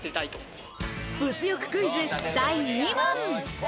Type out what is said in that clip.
物欲クイズ第２問。